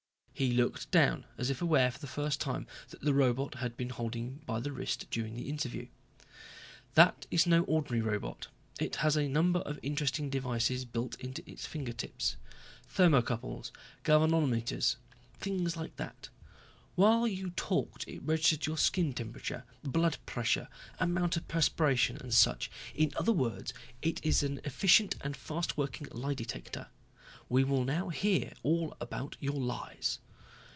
He looked down, as if aware for the first time that the robot had been holding him by the wrist during the interview. "That is no ordinary robot. It has a number of interesting devices built into its fingertips. Thermocouples, galvanometers, things like that. While you talked it registered your skin temperature, blood pressure, amount of perspiration and such. In other words it is an efficient and fast working lie detector. We will now hear all about your lies."